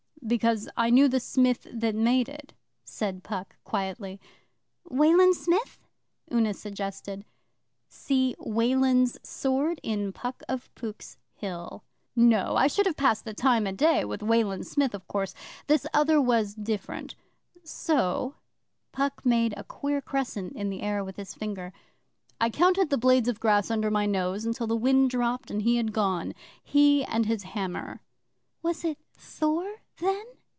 'Because I knew the Smith that made it,' said Puck quietly. 'Wayland Smith?' Una suggested. [See 'Weland's Sword' in PUCK OF POOK'S HILL.] 'No. I should have passed the time o' day with Wayland Smith, of course. This other was different. So' Puck made a queer crescent in the air with his finger 'I counted the blades of grass under my nose till the wind dropped and he had gone he and his Hammer.' 'Was it Thor then?